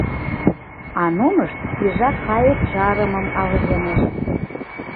А нунышт свежа кайык жарымым авызлынешт.